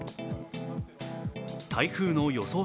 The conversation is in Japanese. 台風の予想